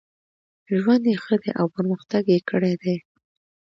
ژوند یې ښه دی او پرمختګ یې کړی دی.